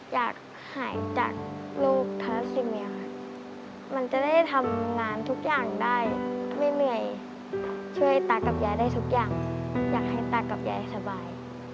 อยากหายจากโรคทาราซิเมียค่ะมันจะได้ทำงานทุกอย่างได้ไม่เหนื่อยช่วยตากับยายได้ทุกอย่างอยากให้ตากับยายสบาย